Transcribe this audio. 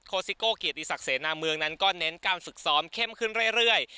ซิโก้เกียรติศักดิเสนาเมืองนั้นก็เน้นการฝึกซ้อมเข้มขึ้นเรื่อย